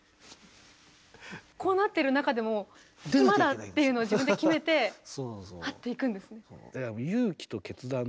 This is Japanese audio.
こうなってる中でも「今だ！」っていうのを自分で決めてハッといくんですね。